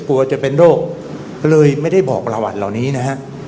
กลัวจะเป็นโรคเลยไม่ได้บอกประวัติเหล่านี้นะฮะ